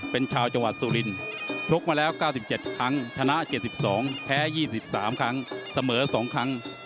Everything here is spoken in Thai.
แพ้๒๓ครั้งเสมอ๒ครั้ง